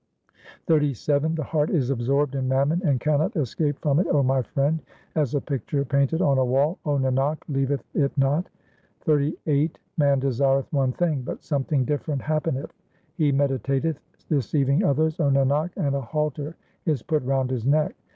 SLOKS OF GURU TEG BAHADUR 419 XXXVII The heart is absorbed in mammon and cannot escape from it, O my friend ; As a picture painted on a wall, 0 Nanak, leaveth it not. XXXVIII Man desireth one thing, but something different hap peneth ; He meditateth deceiving others, O Nanak, and a halter is put round his neck.